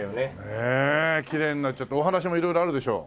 ねえきれいになっちゃってお話も色々あるでしょう？